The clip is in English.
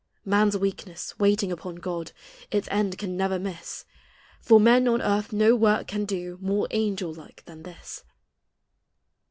Man's weakness, waiting upon God, Its end can never miss. For men on earth no work can do More angel like than this.